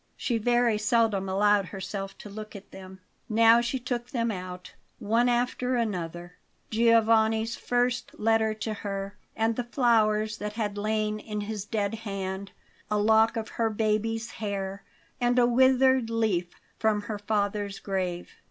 She very seldom allowed herself to look at them. Now she took them out, one after another: Giovanni's first letter to her, and the flowers that had lain in his dead hand; a lock of her baby's hair and a withered leaf from her father's grave.